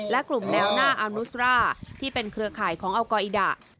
และกลุ่มแมลน่าอัลนุสราที่เป็นเครือข่ายของอัลกอีดา